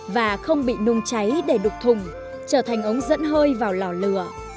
và không bị nung cháy để đục thùng trở thành ống dẫn hơi vào lò lửa